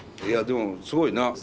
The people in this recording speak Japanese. いやでもすごいな。